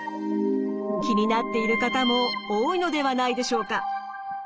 気になっている方も多いのではないでしょうか。